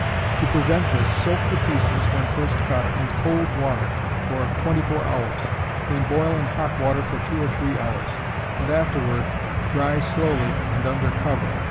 To prevent this, soak the pieces, when first cut, in cold water for 24 hours, then boil in hot water for two or three hours, and afterward dry slowly and under cover.